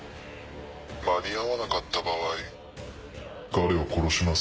間に合わなかった場合彼を殺します。